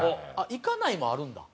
「いかない」もあるんだ。